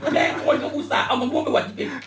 แล้วก็ใส่ฉันมาแม่คนเขาอุตส่าห์เอามะม่วงไปหวัดจิต